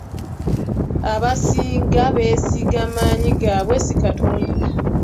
Abasinga beesiga maanyi gaabwe si Katonda.